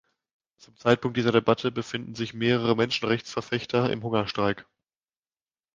Zum Zeitpunkt dieser Debatte befinden sich mehrere Menschenrechtsverfechter im Hungerstreik.